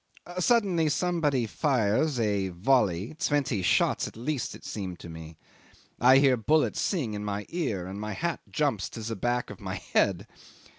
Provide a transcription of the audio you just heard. Suddenly somebody fires a volley twenty shots at least it seemed to me. I hear bullets sing in my ear, and my hat jumps to the back of my head.